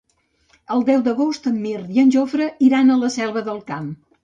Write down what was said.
El deu d'agost en Mirt i en Jofre iran a la Selva del Camp.